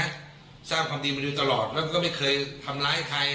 ให้สร้างความดีไปดูตลอดไม่ทำร้ายห้าใคร